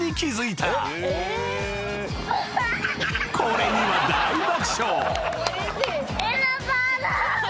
［これには大爆笑］